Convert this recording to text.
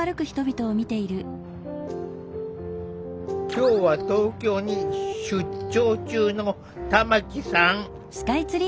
今日は東京に出張中の玉木さん。